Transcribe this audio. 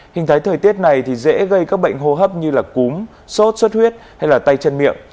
hình thái thời tiết này thì dễ gây các bệnh hô hấp như cúm sốt xuất huyết hay là tay chân miệng